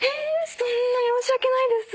そんな申し訳ないです。